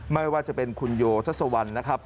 ไม่ว่าจะเป็นคุณโยทัศวรรณนะครับ